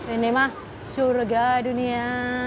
ini mah syurga dunia